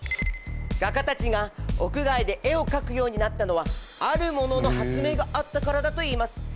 画家たちが屋外で絵を描くようになったのは「あるもの」の発明があったからだといいます。